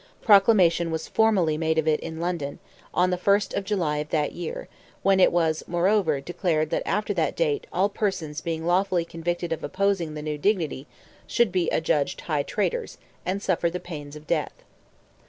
Proclamation was formally made of it in London, on the 1st of July of that year, when it was moreover declared that after that date all persons being lawfully convicted of opposing the new dignity should "be adjudged high traitors"—"and suffer the pains of death."